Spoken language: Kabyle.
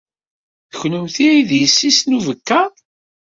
D kennemti ay d yessi-s n ubekkaḍ.